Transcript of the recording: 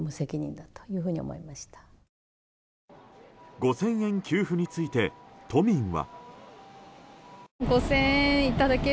５０００円給付について都民は。